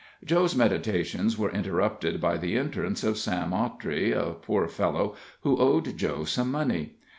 Joe's meditations were interrupted by the entrance of Sam Ottrey, a poor fellow who owed Joe some money.